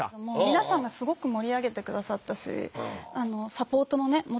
もう皆さんがすごく盛り上げて下さったしサポートもね